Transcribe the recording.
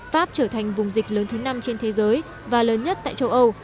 pháp trở thành vùng dịch lớn thứ năm trên thế giới và lớn nhất tại châu âu